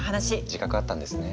自覚あったんですね。